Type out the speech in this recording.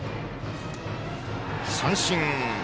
三振。